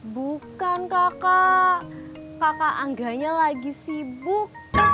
bukan kakak kakak angganya lagi sibuk